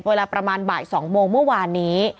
เวลาประมาณบ่าย๒โมงเมื่อวานนี้